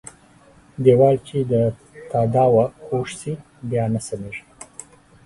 ديوال چې د تاداوه کوږ سو ، بيا نه سمېږي.